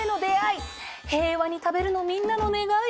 平和に食べるのみんなの願い。